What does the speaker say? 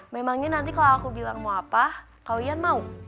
memangnya nanti kalau aku bilang mau apa kalian mau